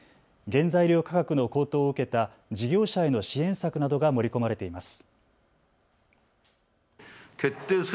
原材料価格の高騰を受けた事業者への支援策などが盛り込まれてます。